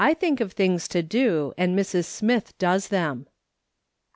THINK OF THINGS TO DO, AND MRS. SMITH DOES THEM."